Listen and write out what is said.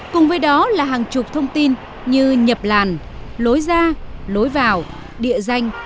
cùng với đó là hàng chục thông tin như nhập làn lối ra lối vào địa danh